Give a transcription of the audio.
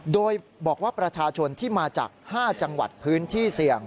โดยบอกว่าประชาชนที่มาจาก๕จังหวัดพื้นที่เสี่ยง